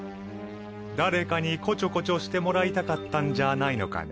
誰かにこちょこちょしてもらいたかったんじゃないのかね？